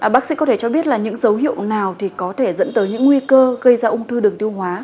bác sĩ có thể cho biết là những dấu hiệu nào thì có thể dẫn tới những nguy cơ gây ra ung thư đường tiêu hóa